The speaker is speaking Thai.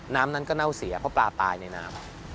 น้ำนั้นก็เน่าเสียเพราะปลาตายในน้ำ